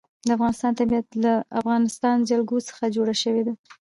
د افغانستان طبیعت له د افغانستان جلکو څخه جوړ شوی دی.